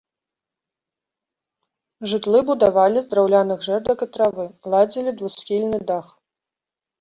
Жытлы будавалі з драўляных жэрдак і травы, ладзілі двухсхільны дах.